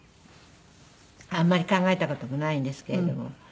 あんまり考えた事もないんですけれども。